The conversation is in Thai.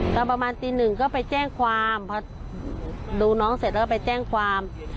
ตอนประมาณตีหนึ่งก็ไปแจ้งความพอดูน้องเสร็จแล้วก็ไปแจ้งความ